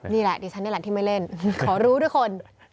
นี่แหละดิฉันนี่แหละที่ไม่เล่นขอรู้ด้วยคน